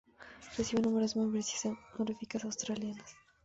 Recibió numerosas membresías honoríficas australianas.